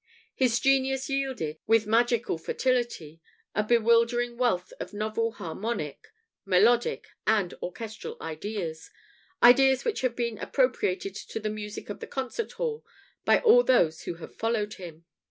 His genius yielded, with magical fertility, a bewildering wealth of novel harmonic, melodic, and orchestral ideas ideas which have been appropriated to the music of the concert hall by all those who have followed him.